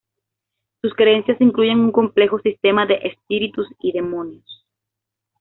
Sus creencias incluyen un complejo sistema de espíritus y demonios.